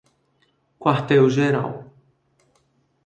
Quartel Geral